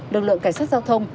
lực lượng cảnh sát giao thông